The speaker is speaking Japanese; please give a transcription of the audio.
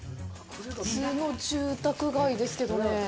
普通の住宅街ですけどね